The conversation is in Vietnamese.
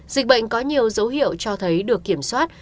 dịch bệnh có nhiều dấu hiệu cho thấy được kiểm soát